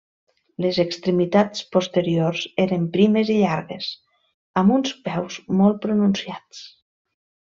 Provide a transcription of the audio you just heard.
Les extremitats posteriors eren primes i llargues amb uns peus molt pronunciats.